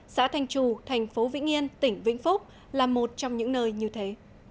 xã thanh trù thành phố vĩnh yên tỉnh vĩnh phúc là một trong những nơi như thế